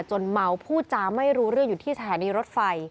เมาพูดจาไม่รู้เรื่องอยู่ที่สถานีรถไฟ